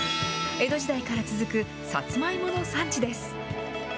江戸時代から続くさつまいもの産地です。